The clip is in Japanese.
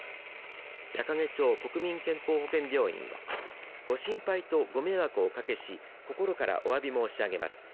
矢掛町国民健康保険病院はご心配とご迷惑をおかけし心からおわび申し上げます。